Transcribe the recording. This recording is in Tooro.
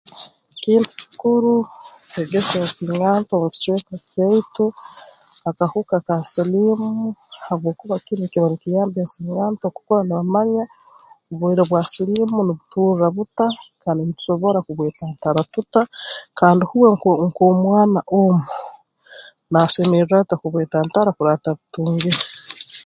Kintu kikuru kwegesa ensinganto omu kicweka kyaitu ha kahuka ka siliimu habwokuba kinu nikiba nkiyamba ensinganto okukura nibamanya oburwaire bwa siliimu nubuturra buta kandi nitusobora kubwetantara tuta kandi huwe nko nk'omwana omu naasemerra ata kubwetantara kurora atabutungire